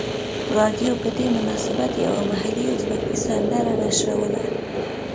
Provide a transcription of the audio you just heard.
رادیو په دې مناسبت یوه محلي ازبکي سندره نشروله.